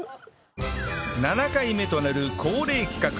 ７回目となる恒例企画